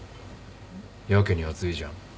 やけに熱いじゃん。